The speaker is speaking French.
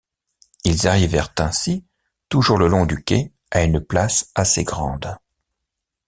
Ils arrivèrent ainsi, toujours le long du quai, à une place assez grande.